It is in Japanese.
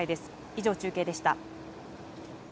以上、中継でした。